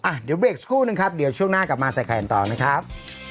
อ่ะเดี๋ยวเบรกสักครู่นึงครับเดี๋ยวช่วงหน้ากลับมาใส่แขนต่อนะครับ